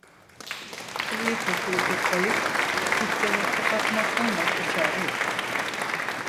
Pılıyı pırtıyı toplayıp dükkanı kapatmaktan başka çare yok!